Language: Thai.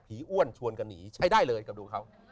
อ้วนชวนกันหนีใช้ได้เลยกับดูเขา